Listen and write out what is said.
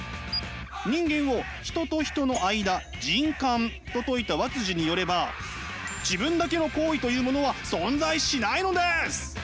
人間を人と人の間「じんかん」と説いた和によれば自分だけの行為というものは存在しないのです。